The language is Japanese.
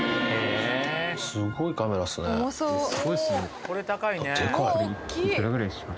すごいカメラっすね。